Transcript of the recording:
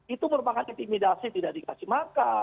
itu merupakan intimidasi tidak dikasih makan